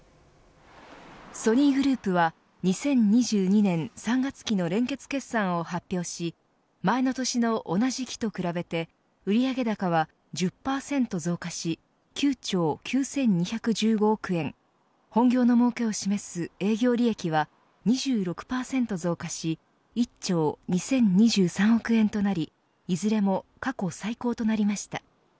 ソニーグループは２０２２年３月期の連結決算を発表し前の年の同じ期と比べて売上高は１０％増加し９兆９２１５億円本業のもうけを示す営業利益は２６％増加し１兆２０２３億円となりいずれも過去最高となりました。